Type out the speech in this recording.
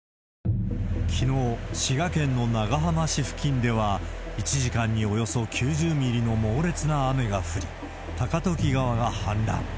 きのう、滋賀県の長浜市付近では、１時間におよそ９０ミリの猛烈な雨が降り、高時川が氾濫。